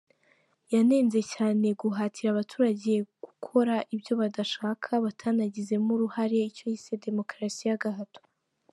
Yanenze cyane guhatira abaturage gukore ibyo badashaka batanagizemo uruhare icyo yise ‘Demokarasi y’agahato’.